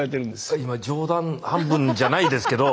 今冗談半分じゃないですけど。